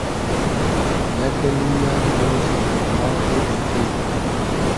یئگ اللی یۂ رۉزی اۉماغ و دیقی